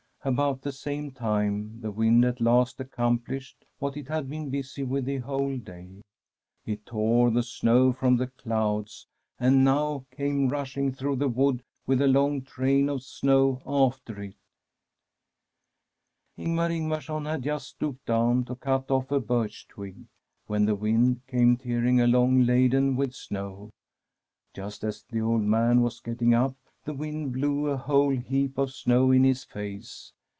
About the same time the wind at last accom plished what it had been busy with the whole day : it tore the snow from the clouds, and now came rushing through the wood with a long train of snow after it. Ing^ar Ing^arson had just stooped down and cut oflF a birch twig, when the wind came tearing along laden with snow. Just as the old man was p^etting up the wind blew a whole heap of snow in his face.